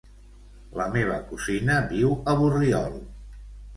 La meva cosina viu a Borriol.